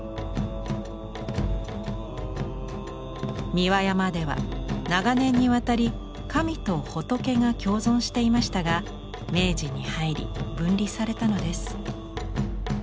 三輪山では長年にわたり神と仏が共存していましたが明治に入り分離されたのです。